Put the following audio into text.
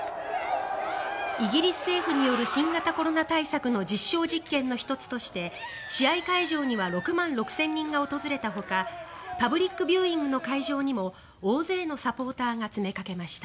イギリス政府による新型コロナ対策の実証実験の１つとして試合会場には６万６０００人が訪れたほかパブリックビューイングの会場にも大勢のサポーターが詰めかけました。